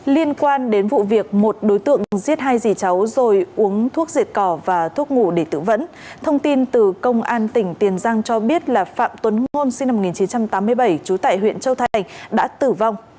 liên quan đến vụ việc một đối tượng giết hai gì cháu rồi uống thuốc diệt cỏ và thuốc ngủ để tự vẫn thông tin từ công an tỉnh tiền giang cho biết là phạm tuấn ngôn sinh năm một nghìn chín trăm tám mươi bảy trú tại huyện châu thành đã tử vong